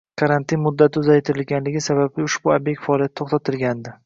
Karantin muddati uzaytirilganligi sababli ushbu obyekt faoliyati toʻxtatilgandi.